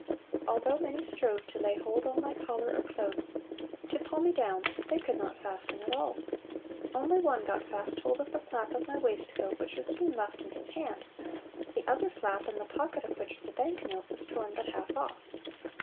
Although many strove to lay hold on my collar or clothes, to pull me down, they could not fasten at all: only one got fast hold of the flap of my waistcoat, which was soon left in his hand; the other flap, in the pocket of which was a bank note, was torn but half off....